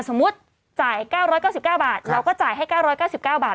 สมมุติจ่าย๙๙๙บาทเราก็จ่ายให้๙๙๙บาท